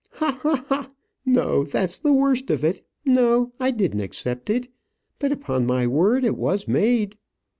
"Ha! ha! ha! No, that's the worst of it. No, I didn't accept it. But, upon my word, it was made."